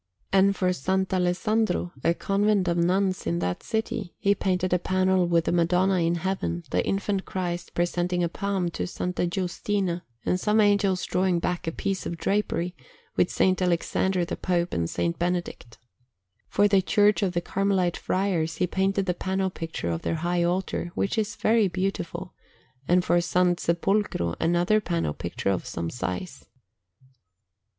And for S. Alessandro, a convent of nuns in that city, he painted a panel with the Madonna in Heaven, the Infant Christ presenting a palm to S. Giustina, and some Angels drawing back a piece of drapery, with S. Alexander the Pope and S. Benedict. For the Church of the Carmelite Friars he painted the panel picture of their high altar, which is very beautiful, and for S. Sepolcro another panel picture of some size.